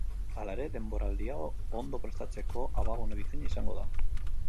Hala ere, denboraldia ondo prestatzeko abagune bikaina izango da.